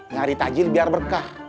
nyari tajil biar berkah